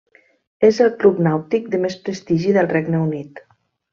És el club nàutic de més prestigi del Regne Unit.